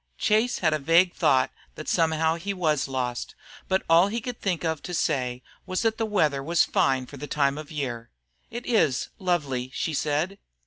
Chase had a vague thought that somehow he was lost, but all he could think of to say was that the weather was fine for the time of year. "It is lovely," she said.